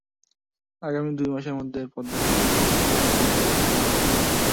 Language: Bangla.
আগামী দুই মাসের মধ্যে পদ্মা সেতুর কাজ শুরু হবে—এ কথা আমি বলিনি।